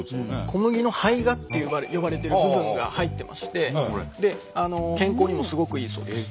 小麦の胚芽と呼ばれてる部分が入ってまして健康にもすごくいいそうです。